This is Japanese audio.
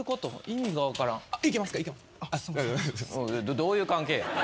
どういう関係？